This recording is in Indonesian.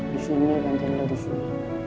disini ganteng lo disini